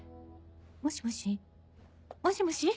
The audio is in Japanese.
もしもし？もしもし？